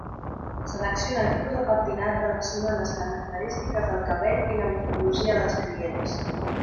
Selecciona el tipus de pentinat relacionant les característiques del cabell i la morfologia dels clients.